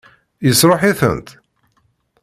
Yesṛuḥ-itent?